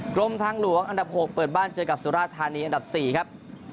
กรมทางหลวงอันดับ๖เปิดบ้านเจอกับสุราธานีอันดับ๔ครับ